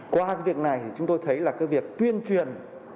qua việc này chúng tôi thấy là việc tuyên truyền